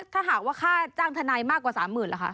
ถ้าหากว่าค่าจ้างทนายมากกว่า๓๐๐๐เหรอคะ